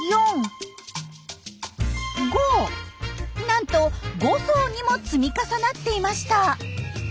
なんと５層にも積み重なっていました。